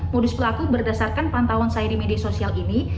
modus pelaku berdasarkan pantauan saya di media sosial ini